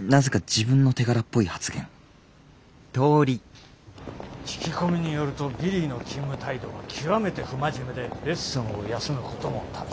なぜか自分の手柄っぽい発言聞き込みによるとビリーの勤務態度は極めて不真面目でレッスンを休むことも度々。